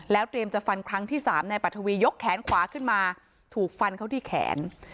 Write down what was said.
เตรียมจะฟันครั้งที่๓นายปัทวียกแขนขวาขึ้นมาถูกฟันเขาที่แขน